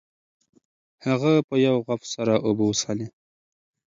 هغه په یو غوپ سره اوبه وڅښلې.